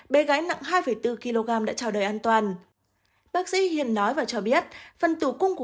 bê gái nặng hai bốn kg đã trào đời an toàn bác sĩ hiền nói và cho biết phần tù cung của